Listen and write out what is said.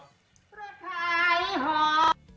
เพื่อขายหอม